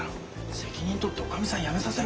責任取っておかみさんやめさせろ。